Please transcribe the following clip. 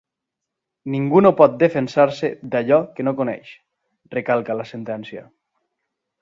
“Ningú no pot defensar-se d’allò que no coneix”, recalca la sentència.